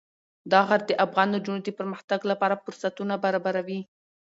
دا غر د افغان نجونو د پرمختګ لپاره فرصتونه برابروي.